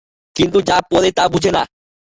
কিন্তু যা পড়ে তা বুঝে না।